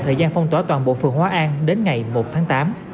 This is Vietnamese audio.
thời gian phong tỏa toàn bộ phường hóa an đến ngày một tháng tám